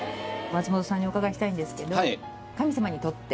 松本さんにお伺いしたいんですけど。